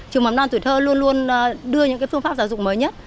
trường mầm non tuổi thơ luôn luôn đưa những phương pháp giáo dục mới nhất